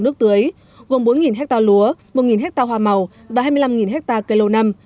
các công trình hồ đập đã bị khô cạn không có nước tưới gồm bốn hectare lúa một hectare hoa màu và hai mươi năm hectare cây lâu năm